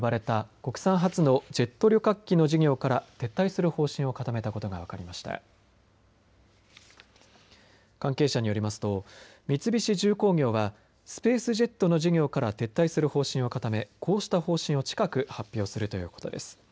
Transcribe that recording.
複数関係者によりますと三菱重工業はスペースジェットの事業から撤退する方針を固めこうした方針を近く発表するということです。